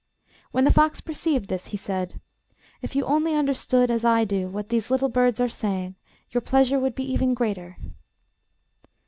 When the fox perceived this, he said: 'If you only understood, as I do, what these little birds are saying, your pleasure would be even greater.